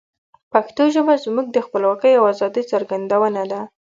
پښتو ژبه زموږ د خپلواکۍ او آزادی څرګندونه ده.